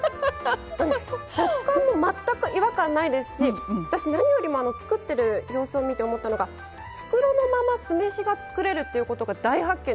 あの食感も全く違和感ないですし私何よりもあの作ってる様子を見て思ったのが袋のまま酢飯が作れるということが大発見でした。